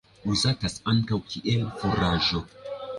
Uzatas ankaŭ kiel furaĝo.